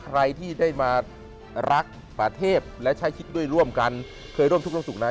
ใครที่ได้มารักประเทศและใช้คิดด้วยร่วมกันเคยร่วมทุกสุขนะ